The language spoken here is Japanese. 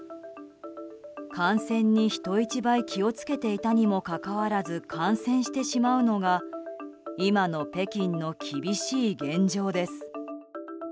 感染に人一倍気を付けていたにもかかわらず感染してしまうのが今の北京の厳しい現状です。